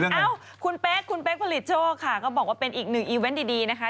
เอ้าคุณเป๊กคุณเป๊กผลิตโชคค่ะก็บอกว่าเป็นอีกหนึ่งอีเวนต์ดีนะคะ